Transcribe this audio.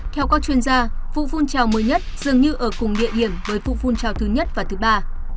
theo các chuyên gia vụ phun trào mới nhất dường như ở cùng địa điểm với phút phun trào thứ nhất và thứ ba